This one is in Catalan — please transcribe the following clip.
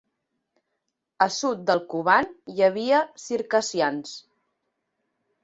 A sud del Kuban hi havia circassians.